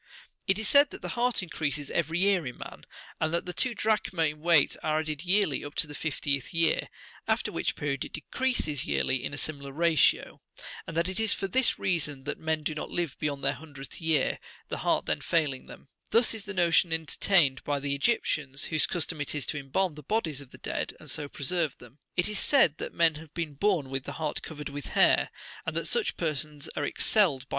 It is said that the heart increases every year in man, and that two drachmae in weight are added70 yearly up to the fiftieth year, after which period it decreases yearly in a similar ratio ; and that it is for this reason that men do not live beyond their hundredth year, the heart then failing them : this is the notion entertained by the Egyptians, whose custom it is to embalm the bodies of the s7 Among all the mamniiferae and the birds, the heart has four cavities, two on each side.